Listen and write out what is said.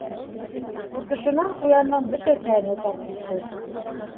Ҡурҡышынан ҡуяндың бөтә тәне тартышты.